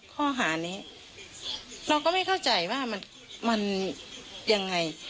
ข้อหานี้เราก็ไม่เข้าใจว่ามันยังไง